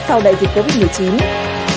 sau đại dịch covid một mươi chín